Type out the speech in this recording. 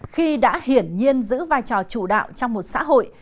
khi đã hiển nhiên giữ vai trò chủ đạo trong một xã hội